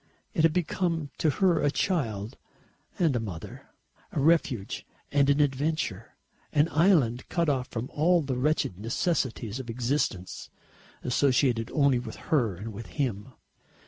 It had become to her a child and a mother, a refuge and an adventure, an island cut off from all the wretched necessities of existence, associated only with her and with him.